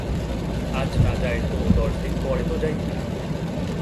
আজ না যায় তো দশ দিন পরে তো যাইবে।